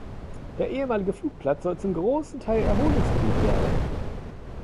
Der ehemalige Flugplatz soll zum großen Teil Erholungsgebiet werden.